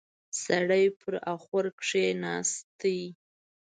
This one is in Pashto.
سړی پر اخور کېناست.